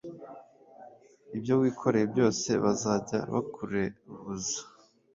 Ibyo wikoreye byose bazajya bakurebuza.